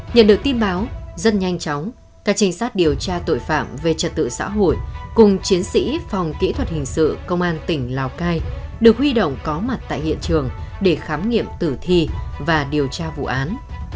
nhận được tin báo rất nhanh chóng các trinh sát điều tra tội phạm về trật tự xã hội cùng chiến sĩ phòng kỹ thuật hình sự công an tỉnh lào cai được huy động có mặt tại hiện trường để khám nghiệm tử thi và điều tra vụ án